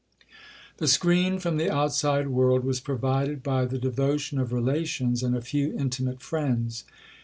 The screen from the outside world was provided by the devotion of relations and a few intimate friends.